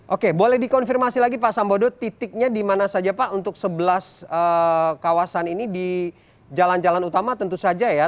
oke boleh dikonfirmasi lagi pak sambodo titiknya di mana saja pak untuk sebelas kawasan ini di jalan jalan utama tentu saja ya